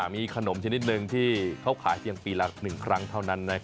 มีขนมชนิดหนึ่งที่เขาขายเพียงปีละ๑ครั้งเท่านั้น